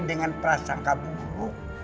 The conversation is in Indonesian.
dengan perasaan kabur